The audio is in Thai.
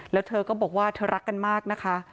แล้วเธอก็บอกว่าเธอรักกันมากนะคะ